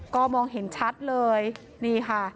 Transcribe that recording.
ก็มองเห็นชัดเลยนี่ค่ะ